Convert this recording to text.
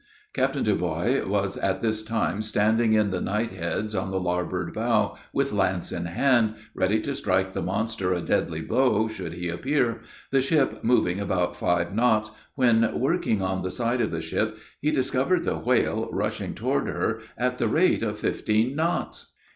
Captain Deblois was at this time standing in the night heads on the larboard bow, with lance in hand, ready to strike the monster a deadly blow should he appear, the ship moving about five knots, when working on the side of the ship, he discovered the whale rushing toward her at the rate of fifteen knots!